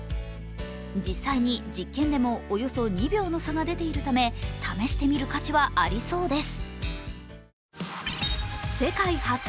実際に、実験でもおよそ２秒の差が出ているため試してみる価値はありそうです。